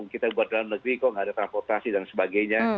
kita buat dalam negeri kok nggak ada transportasi dan sebagainya